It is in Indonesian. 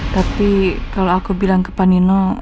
tapi kalau aku bilang ke panino